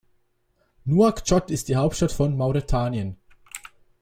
Nouakchott ist die Hauptstadt von Mauretanien.